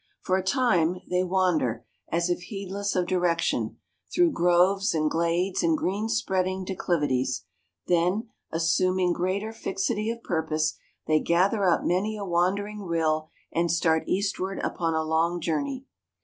For a time they wander, as if heedless of direction, through groves and glades and green spreading declivities; then, assuming greater fixity of purpose, they gather up many a wandering rill and start eastward upon a long journey.